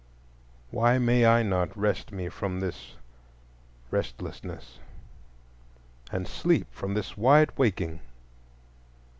Why may I not rest me from this restlessness and sleep from this wide waking?